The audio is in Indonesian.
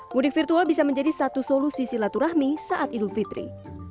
mudik virtual bisa menjadi satu solusi silaturahmi saat idul fitri